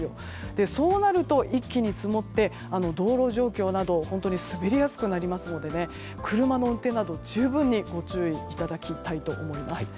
そうなると一気に積もって道路状況などは本当に滑りやすくなりますので車の運転など、十分にご注意いただきたいと思います。